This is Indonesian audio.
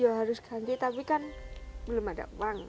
ya harus ganti tapi kan belum ada uang